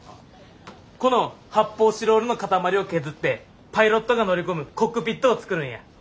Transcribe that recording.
この発泡スチロールの塊を削ってパイロットが乗り込むコックピットを作るんや。